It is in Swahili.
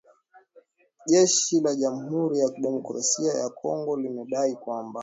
Jeshi la jamhuri ya kidemokrasia ya Kongo limedai kwamba